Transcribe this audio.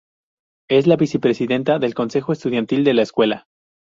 Es la vicepresidenta del consejo estudiantil de la escuela.